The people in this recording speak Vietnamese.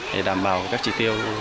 để đảm bảo các trị tiêu